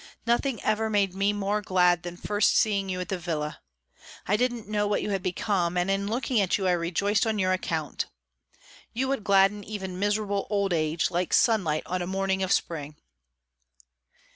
Nothing ever made me more glad than first seeing you at the villa. I didn't know what you had become, and in looking at you I rejoiced on your account. You would gladden even miserable old age, like sunlight on a morning of spring."